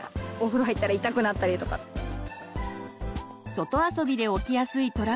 外遊びで起きやすいトラブル。